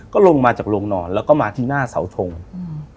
ก็ลงมาจากโรงนอนแล้วก็มาที่หน้าเสาทงอืม